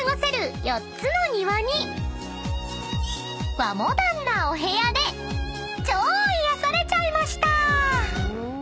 ［和モダンなお部屋で超癒やされちゃいました］